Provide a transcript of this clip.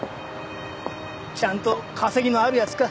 ちゃんと稼ぎのある奴か？